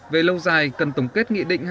về lâu dài cần tổng kết nghị định hai mươi